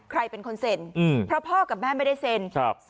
ใครเป็นคนเซ็นเพราะพ่อกับแม่ไม่ได้เซ็น